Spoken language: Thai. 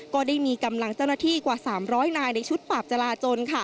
ก็ได้มีกำลังเจ้าหน้าที่กว่า๓๐๐นายในชุดปราบจราจน